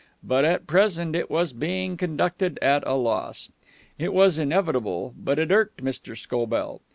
But at present it was being conducted at a loss. It was inevitable, but it irked Mr. Scobell.